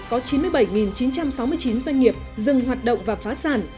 có chín mươi bảy chín trăm sáu mươi chín doanh nghiệp dừng hoạt động và phá sản